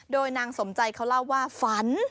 โดยนางสมใจเขาเล่าว่าฝัน